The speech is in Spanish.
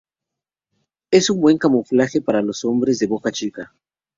Es un buen camuflaje para los hombres de boca chica.